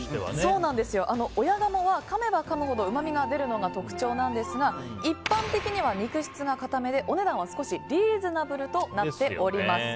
親鴨は、かめばかむほどうまみが出るのが特徴なんですが一般的には肉質が硬めでお値段が少しリーズナブルとなっています。